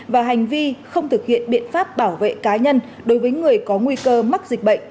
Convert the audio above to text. và hành vi không thực hiện biện pháp bảo vệ cá nhân đối với người có nguy cơ mắc dịch bệnh